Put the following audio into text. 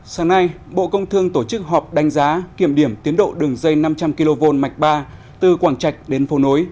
sáng nay bộ công thương tổ chức họp đánh giá kiểm điểm tiến độ đường dây năm trăm linh kv mạch ba từ quảng trạch đến phố nối